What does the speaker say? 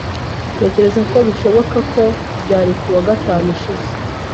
Ntekereza ko bishoboka ko byari kuwa gatanu ushize.